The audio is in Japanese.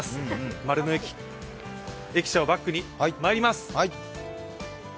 丸の内駅舎をバックにまいります。